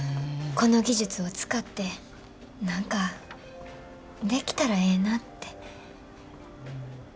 この技術を使って何かできたらええなって。